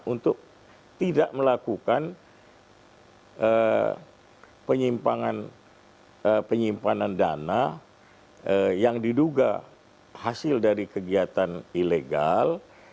untuk tidak melakukan penyimpanan dana yang diduga hasil dari kegiatan ilegal